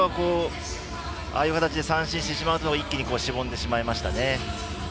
ああいう形で三振してしまうと一気にしぼんでしまいますね。